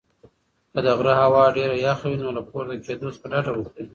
که د غره هوا ډېره یخه وي نو له پورته کېدو څخه ډډه وکړئ.